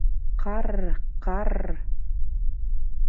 — Ҡарр, ҡарр!